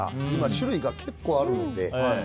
種類も今、結構あるので。